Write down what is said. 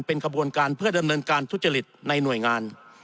เป็นขบวนการเพื่อดำเนินการทุจริตในหน่วยงาน